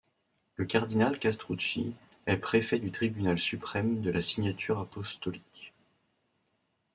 Le cardinal Castrucci est préfet du tribunal suprême de la Signature apostolique.